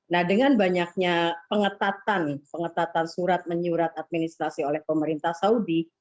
nah dengan banyaknya pengetatan pengetatan surat menyurat administrasi oleh pemerintah saudi